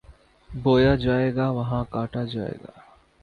بویا جائے گا، وہاں کاٹا جائے گا۔